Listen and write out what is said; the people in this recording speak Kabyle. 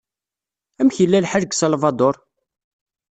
Amek yella lḥal deg Salvador?